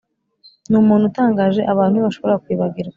numuntu utangaje, abantu ntibashobora kwibagirwa.